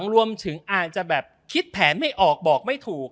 รวมถึงอาจจะแบบคิดแผนไม่ออกบอกไม่ถูก